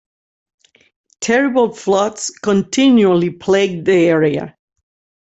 Terrible floods continually plagued the area.